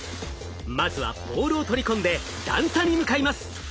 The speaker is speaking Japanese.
まずはボールを取り込んで段差に向かいます。